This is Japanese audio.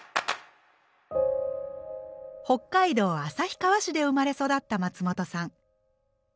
北海道旭川市で生まれ育った松本さん。